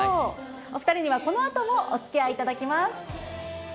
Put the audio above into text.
お２人にはこのあともおつきあいいただきます。